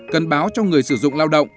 cân báo cho người sử dụng lao động